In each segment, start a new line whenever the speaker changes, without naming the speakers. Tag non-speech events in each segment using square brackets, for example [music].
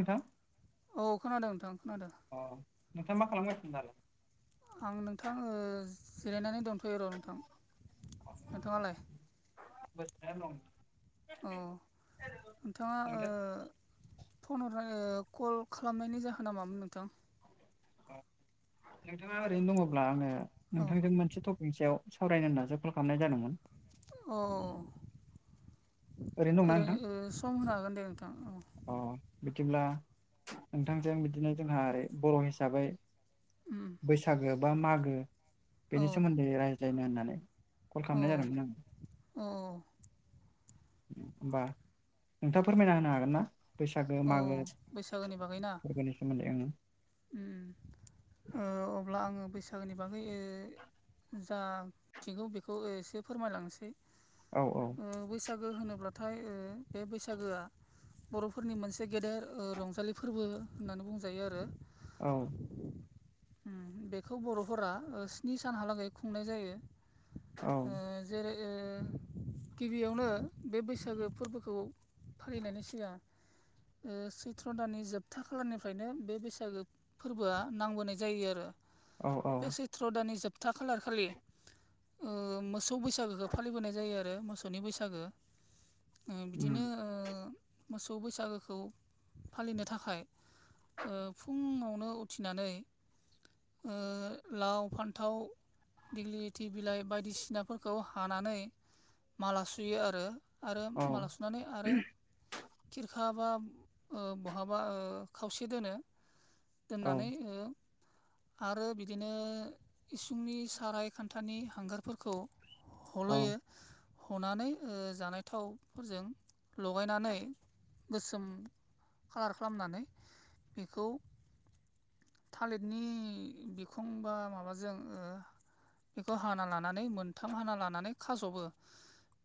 नोंथां
औ खोनादों नोंथां खोनादों
अ नोंथाङा मा खालामगासिनो दालाय
आं नोंथां जिरायनानै दंथयो र‌ नोंथां नोंथाङालाय
[unintelligible]
औ नोंथाङा
नोंथां
फन हर कल खालामनायनि जाहोना मामोन नोंथां
नोंथाङा ओरैनो दङब्ला आंनो
औ
नोंथांजों मोनसे ट पिगनि सायाव सावरायनो होनना जो कल खालामनाय जादोंमोन
औ
दंना नोंथां
ओरैनो सम होनो हागोन दे नोंथां औ
अ बिदिब्ला नोंथांजों बिदिनो जोंहा ओरै बर' हिसाबै
उम
बैसागो बा मागो बेनि सोमोन्दै रायज्लायनो होननानै कल खालामनाय जादोंमोन आं
औ-औ
होनबा नोंथाङा फोरमायना होनो हागोन ना बैसागो
औ
मागो
बैसागोनि बागैना
फोरबोनि सोमोन्दै आङो
उम ओ अब्ला आङो बैसागोनि बागै जा मिथिगौ बेखौ एसे फोरमायलांसै
औ-औ
ओ बैसागो होनोब्लाथाय बे बैसागोआ बर'फोरनि मोनसे गेदेर रंजालि फोरबो होननानै बुंजायो आरो
औ
बेखौ बर'फोरा स्नि सानहालागै खुंनाय जायो
औ
जेरै ओ गिबियावनो बे बैसागो फोरबोखौ फालिनायनि सिगां ओ सैथ्र' दाननि जोबथा खालारनिफ्रायनो बे बैसागो फोरबोआ नांबोनाय जायो आरो
औ औ
ट्र'दानि जोबथा खालार खालि ओ मोसौ बैसागोखौ फालिबोनाय जायो आरो मोसौनि बैसागो ओ बिदिनो
उम
ओ मोसौ बैसागोखौ फालिनो थाखाय ओ फुङावनो उथिनानै ओ लाव फान्थाव दिग्लिलिथि बिलाइ बायदिसिनाफोरखौ हानानै माला सुयो आरो आरो
औ
माला सुनानै आरो खिरखा बा ओ बहाबा खावसे दोनो
औ
दोननानै ओ आरो बिदिनो इसुंनि साराय खानथानि हांगारफोरखौ हल'यो
औ
हनानै ओ जानाय थावफोरजों लगायनानै गोसोम कालार खालामनानै बेखौ थालिरनि बिखं बा माबाजों ओ बेखौ हाना ला नानै मोनथाम हाना लानानै खाजबो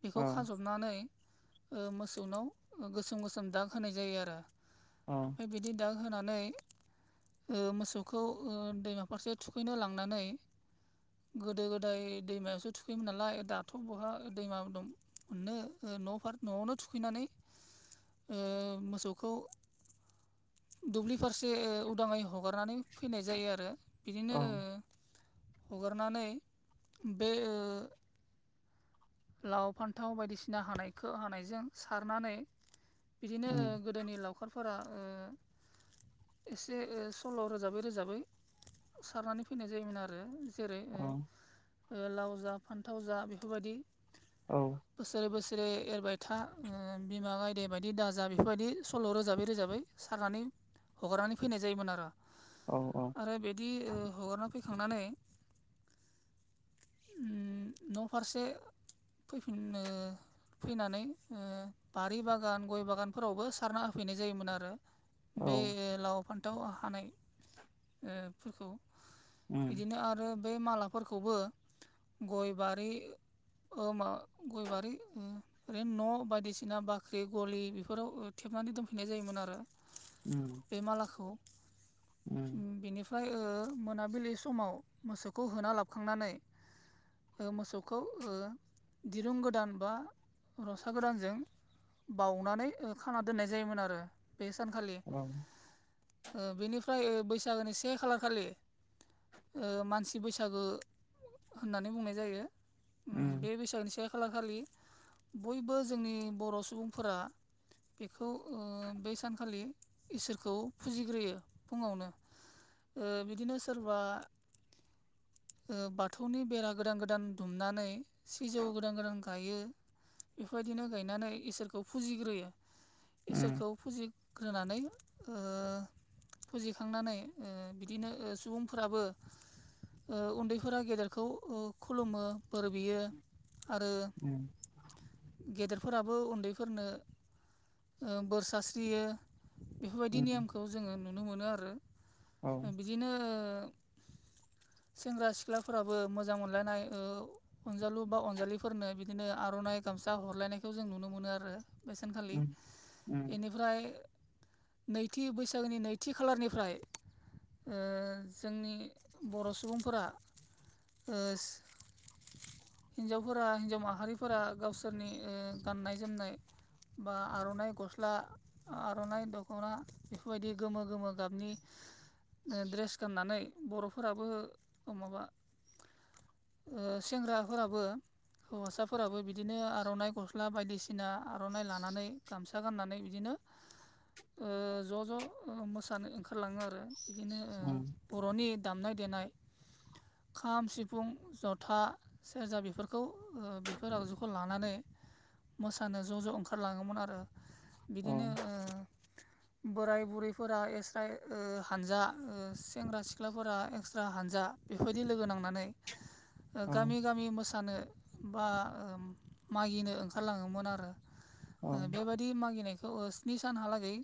बेखौ खाज'बनानै ओ मोसौनाव गोसोम गोसोम दाग होनाय जायो आरो
अ
ओमफ्राय बिदि दाग होनानै ओ मोसौखौ दैमा फारसे थुखैनो लांनानै गोदो गोदाय दैमायावसो थुखैयोमोन नालाय दाथ' बहा दैमा दं नो ओ न'फोर न'आवनो थुखैनानै
[inaudible]
ओ मोसौखौ दुब्लि फारसे उदाङै हगारनानै फैनाय जायो आरो बिदिनो
औ
हगारनानै बे ओ लाव फान्थाव बायदिसिना हानायखौ हानायजों सारनानै बिदिनो
उम
गो दोनि लावखारफोरा ओ एसे सल' रोजाबै रोजाबै सारनानै फैनाय जायोमोन आरो जेरै ओ
अ
ओ लाव जा फानथाव जा बेफोरबायदि
औ
बोसोरे बोसोरे एरबाय था बिमा गायदे बायदि दाजा बेफोरबायदि सल' रोजाबै रोजाबै सारनानै हगारनानै फैनाय जायोमोन आरो
औ औ
आरो बिदि ओ हगारना फैखांनानै ओम न'फारसे फैफिननो फैनानै ओ बारि बागान गय बागानफोरावबो सारना होफैनाय जायोमोन आरो
औ
बे लाव फानथाव हानाय ओ फोरखौ
उम
बिदिनो आरो बे मालाफोरखौबो गय बारि ओ मा गयबारि ओ ओरैनो न' बायदिसिना बाख्रि गलि बेफोराव थेबनानै दोनफैनाय जायोमोन आरो
ओम
बे मालाखौ ओम बेनि फ्राय ओ मोनाबिलि समाव मोसौखौ होना लाबखांनानै ओ मोसौखौ ओ दिरुं गोदान बा रसा गोदानजों बाउनानै खाना दोननाय जायोमोन आरो बे सानखालि
औ
ओ बेनिफ्राय ओ बैसागोनि से खालार खालि ओ मानसि बैसागो होननानै बुंनाय जायो
उम
बैसागनि से खालारखालि बयबो जोंनि बर' सुबुंफोरा बेखौ ओ बै सानखालि इसोरखौ फुजिग्रोयो फुङावनो ओ बिदिनो सोरबा ओ बाथौनि बेरा गोदान गोदान दुमनानै सिजौ गोदान गोदान गायो बेबायदिनो गायनानै इसोरखौ फुजिग्रोयो
उम
इसोरखौ फुजिग्रोनानै ओ फुजिखांनानै ओ बिदिनो सुबुंफोराबो ओ उन्दैफोरा गेदेरखौ खुलुमो बोर बियो आरो
उम
गेदेरफोराबो उन्दैफोरनो ओ बोर सास्रियो बेफोरबायदि
उम
नेमखौ जोङो नुनो मोनो आरो
औ
बिदिनो सेंग्रा सिख्लाफोराबो मोजां मोनलायनाय ओ अनजालु बा अनजालिफोरनो बिदिनो आर'नाइ गामसा हरलायनायखौ जों नुनो मोनो आरो बै सानखालि
उम उम
बेनिफ्राय नैथि बैसागोनि नैथि खालारनिफ्राय ओ जोंनि बर' सुबुंफोरा ओस' हिन्जावफोरा हिन्जाव माहारिफोरा गावसोरनि ओ गाननाय जोमनाय बा आर'नाइ गस्ला आर'नाइ दख'ना बेफोरबायदि गोमो गोमो गाबनि ड्रेस गाननानै बर'फोराबो माबा ओ सेंग्राफोराबो हौवासाफोराबो बिदिनो आर'नाइ गस्ला बायदिसिना आर'नाइ लानानै गामसा गाननानै बिदिनो
[inaudible]
ओ ज' ज' मोसानो ओंखारलाङो आरो बिदिनो
उम
बर'नि दामनाय देनाय खाम सिफुं जथा सेरजा बेफोरखौ ओ बेफोर आगजुखौ लानानै मोसानो ज' ज' ओंखारलाङोमोन आरो
औ
बिदिनो ओ
[inaudible]
बोराय बुरैफोरा एक्सट्रा ओ हानजा ओ सेंग्रा सिख्लाफोरा एक्सट्रा हानजा बेबायदि लोगो नांनानै ओ
औ
गामि गामि मोसानो बा मागिनो ओंखारलाङोमोन आरो ओ
औ
बेबायदि मागिनायखौ स्नि सानहालागै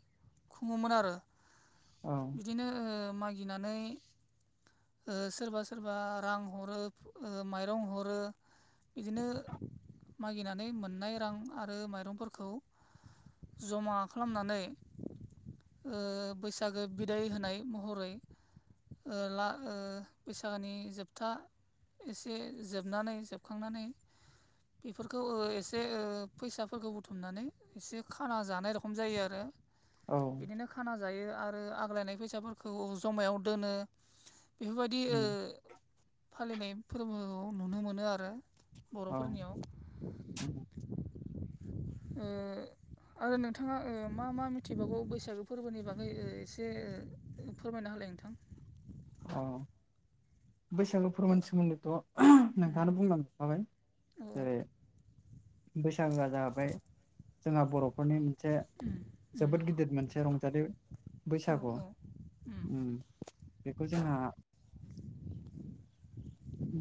खुङोमोन आरो
औ
बिदिनो ओ मा गिनानैबा ओ सोरबा सोरबा रां हरो ओ माइ रं हरो बिदिनो मागिनानै मोननाय रां आरो माइरंफोरखौ जमा खालामनानै ओ बैसागो बिदाय होनाय महरै ओ ला ओ बैसागोनि जोबथा ए जोबनानै जोबखांनानै बेफोरखौ एसे ओ फैसाफोरखौ बुथुमनानै एसे खाना जानाय र खम जायो आरो
औ
बिदिनो खाना जायो आरो आग्लायनाय फैसाफोरखौ जमायाव दोनो बेफोरबायदि ओ
उम
फालिनाय फोरबो औ नुनो मोनो आरो। बर'फोरनियाव।
[inaudible]
ओ आरो नोंथाङा ओ मा मा मिथिबावगौ बैसागो फोरबोनि बागै ओ एसे फोरमायना हालाय नोंथां।
अ बैसागु फोरमाननि सोमोन्दैथ'
उम
नोंथाङानो बुंलां खाबाय
उम औ
जेरै बैसागोआ जाहैबाय जोंहा बर'फोरनि मोनसे
उम
जोबोद गिदिर मोनसे रंजालि
औ
बैसागु।
औ उम
बेखौ जोंहा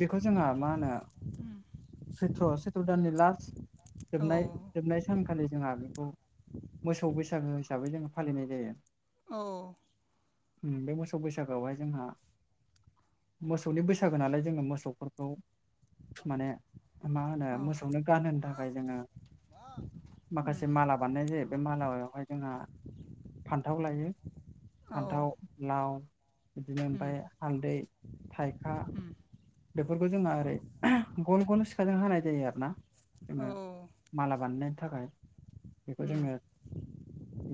बेखौ जोंहा मा होनो सैत्र सैथ्र दाननि लास्ट
औ
जोबनाय
औ
जोबनाय सानखालि जोंहा बेखौ मोसौ बैसागो हिसाबै जोङो फालिनाय जायो।
औ।
बे मोसौ बैसागोआवहाय जोंहा मोसौनि बैसाग होनालाय जोंङो मोसौफोरखौ माने मा होनो
औ
मोसौनो गानहोनो थाखाय जोंङो माखासे
उम
माला बान्नाय जायो बे माालायावहाय जोंहा फान्थाव लायो
औ
फान्थाव लाव बिदिनो
उम
ओमफाय हालदै थाइखा
उम
बेफोरखौ जोंहा ओरै गल गल सिखाजों हानाय जायो आरो ना
औ
जोंङो माला बानायनायनि थाखाय। बेखौ
उम
जोङो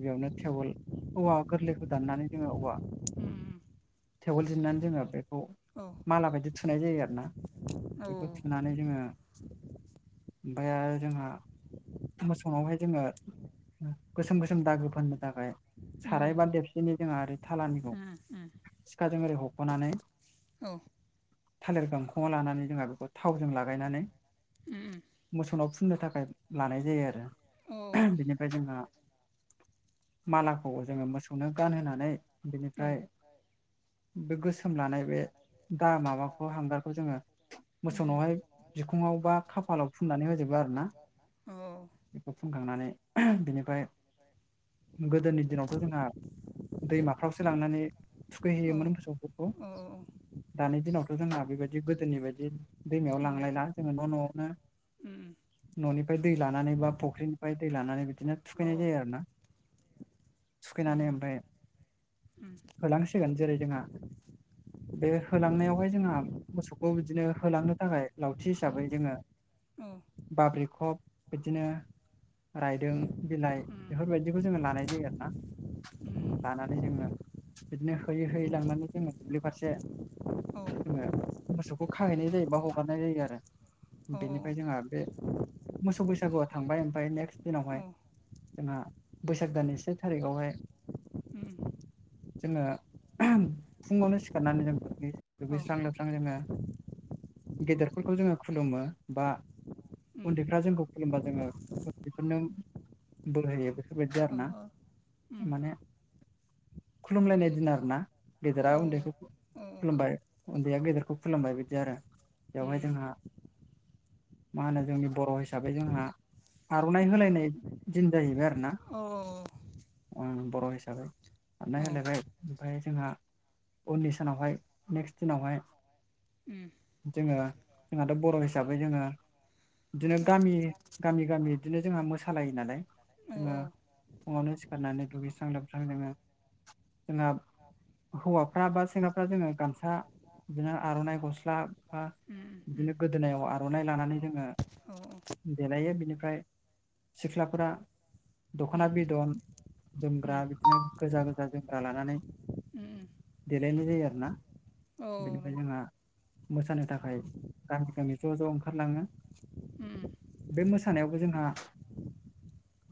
गिबियावनो टेवोल औवा गोरलैखौ दाननानै जोंङो औवा
[inaudible]
थेवोल जिरन्नानै जोङो बेखौ
औ
माला बायदि थुनाय जायो आरोना
औ
बेखौ थुनानै जोङो ओमफाय आरो जोंहा मोसौ नावहाय जोङो गोसोम गोसोम दागो फाननो थाखाय
उम
साराय बा देबसिनि जोंहा ओरै थानिखौ
उम उम
सिखाजों ओरै हख'नानै
औ
थालेर गांखङाव लानानै जोंहा बेखौ थावजों लागायनानै
उम
मोसानाव फुननो थाखाय लानाय जायो आरो।
औ उम औ
बिनिफ्राय जोंहा मालाखौ जोंङो मोसौनो गानहोनानै
औ उम
बिनिफ्राय
औ
बे गोसोम लानाय बे दा माबा बे हांगारखौ जोंङो
उम औ उम
मोसौनावहाय बिखुङाव बा खाफालाव फुननानै होजोबो आरो ना।
औ उम
बेखौ फुनखांनानै बिनिफ्राय गोदोनि दिनावथ' जोंहा दैमाफ्रावसो लांनानै
उम औ
थुखैहैयोमोन मोसौफोरखौ दानि दिनाव जोंना बेबायदि गोदोनि बायदि दैमायाव लांलायला जोंङो न' न'आवनो न'निफ्राय दै लानानै बा फुख्रिनिफ्राय दै लानानै बिदिनो थुखैनाय जायो आरो ना। थुखैनानै ओमफाय होलांसि सिगोन जेरै जोंहा बे हांलां नायाव आवहाय जोंहा मोसौखौ बिदिनो होलांनो थाखाय लावथि हिसाबै जोङो
औ
बाब्रिखब बिदिनो रायदों बिलाइ बेफोरबायदिखौ जोङो लानाय जायो आरोना। लानानै जोङो बिदिनो होयै होयै लांनानै जोङो दुब्लि फारसे
औ
जोङो मोसौखौ खाहैनाय जायो बा हगारनाय जायो आरो बेनिफ्राय जोंहा बे मोसौ बैसागुआ थांबाय ओमफाय नेक्स्ट दिनावहाय जोंहा बैसाग दाननि से थारिखआवहाय
उम
जोंङो फुंङावनो सिखारनानै जों दुगैयो। दुगैस्रां लोबस्रां जोंङो गेदेरफोरखौ जोंङो खुलुमो बा उन्दैफ्रा जोंखौ खुलुमबा जोंङो उन्दैफोरनो बोर होयो बेफोरबायदि आरोना माने खुलुमलायनाय दिन आरोना गेदेरा उन्दैखौ खुलुमबाय उन्दैया गेदेरखौ खुलमबाय बिदि आरो बेवहाय जोंहा मा होनो जोंनि बर' हिसाबै जोंहा आर'नाइ होलायनाय दिन जाहैबाय आरो।
औ औ
उम बर' हिसाबै आर'नाइ होलायबाय ओमफ्राय जोंहा उननि सानावहाय नेक्स्ट दिनावहाय जोङो जोंहाथ' बर' हिसाबै जोंङो इदिनो
औ उम औ
गामि गामि गामि इदिनो जोंहा मोसालायो नालाय
औ
जोंङो फुंङावनो सिखारनानै दुगैस्रां लोबस्रां जोङो जोङा हौवाफ्रा बा सेंग्राफ्रा जोङो गामसा बिदिनो आर'नाइ गस्ला बा
उम उम
बिदिनो गोदोनायाव आर'नाइ लानानै जोङो
औ
देलायो बिनिफ्राय सिख्लाफोरा दखना
उम
बिदन
उम
जोमग्रा बिदिनो गोजा गोजा जोमग्रा लानानै
उम उम
देलायनाय जायो आरोना। बेनिफ्राय जोंहा मोसानो थाखाय गामि गामि ज' ज' ओंखारलाङो।
उम
बे मोसानायावबो जोंहा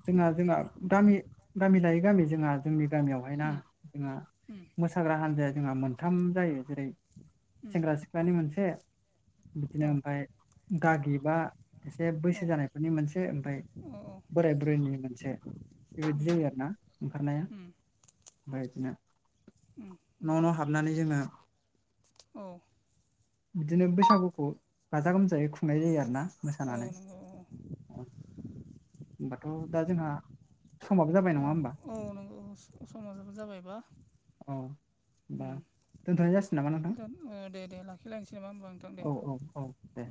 जोंना जोंहा गामि लायै गामि जोंहा जोंनि गामियावहाय ना जोंहा मोसाग्रा हान्जाया जोंहा मोनथाम जायो। जेरै सेंग्रा सिख्लानि मोनसे बिदिनो ओमफाय गागि बा एसे बैसो जानायफोरनि मोनसे ओमफाय बोराय बुरैनि मोनसे बेबायदि जायो आरोना ओंखारनाया। ओमफाय बिदिनो
उम उम
न' न' हाबनानै जोङो
औ
बिदिनो बैसागुखौ गाजा गोमजायै खुंनाय जायो आरोना
औ
मोसानानै।
नंगौ उम औ उम नंगौ औ नंगौ औ
होनबाथ' दा जोंहा समाबो जाबाय नङा ओमबा?
औ नंगौ औ समाबो जाबायबा?
अ
उम
होमबा दोनथनाय जासि
दोन ओ दे दे लाखिलायनोसै नामा ओमबा नोंथां दे।
औ औ औ दे